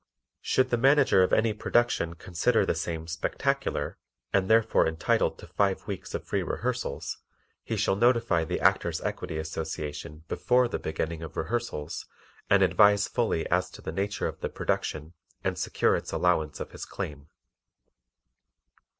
Should the Manager of any production consider the same "Spectacular" and therefore entitled to five weeks of free rehearsals, he shall notify the Actors' Equity Association before the beginning of rehearsals and advise fully as to the nature of the production and secure its allowance of his claim.